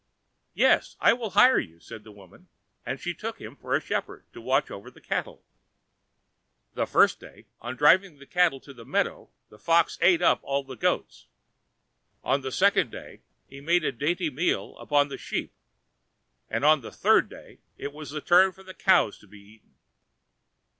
"Yes, I will hire you," said the woman; and she took him for a shepherd to watch over the cattle. The first day, on driving the cattle to the meadows, the Fox ate up all the goats. On the second day he made a dainty meal upon the sheep, and on the third day it was the turn for the cows to be eaten.